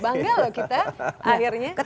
bangga loh kita akhirnya